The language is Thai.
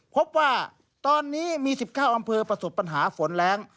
พบว่าตอนนี้มี๑๙อำเภอประสบปัญหาฝนแรง